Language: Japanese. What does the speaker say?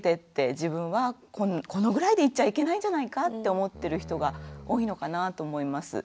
自分はこのぐらいで言っちゃいけないんじゃないかって思ってる人が多いのかなと思います。